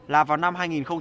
là vào năm hai nghìn sáu